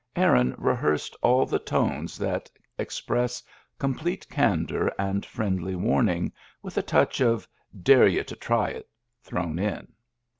Aaron rehearsed all the tones that express complete candor and friendly warning, with a touch of "dare you to try it !" thrown in.